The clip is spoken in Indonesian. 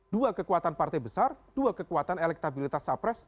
dua kekuatan partai besar dua kekuatan elektabilitas capres